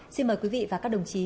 xin mời quý vị và các đồng chí